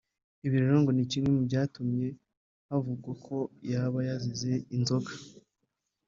Ibi rero ngo ni kimwe mu byatumye havugwa ko yaba yazize inzoga